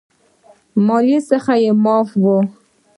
مالیې څخه معاف وي.